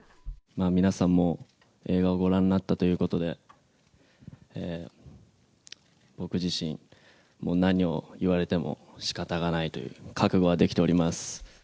皆さんも映画をご覧になったということで、僕自身、何を言われてもしかたがないという覚悟はできております。